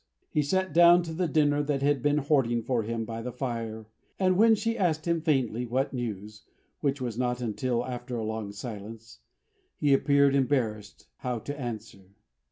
He sat down to the dinner that had been hoarding for him by the fire, and when she asked him faintly what news (which was not until after a long silence), he appeared embarrassed how to answer.